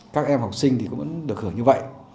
các em học sinh thì cũng vẫn được hưởng như vậy